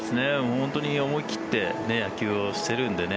本当に思い切って野球をしてるんでね。